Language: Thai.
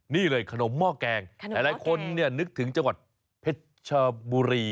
นี่เลยขนมหม้อแกงหลายคนนึกถึงจังหวัดเพชรชบุรี